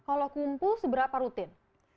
kalau kumpul seberapa rutin